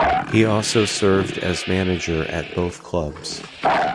He also served as manager at both clubs.